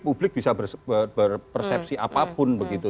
publik bisa berpersepsi apapun begitu